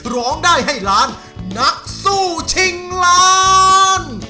ร้องได้ให้ล้านนักสู้ชิงล้าน